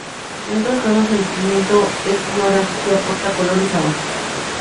En otros casos el pimiento es una ñora que aporta color y sabor.